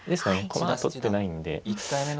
駒は取ってないんで。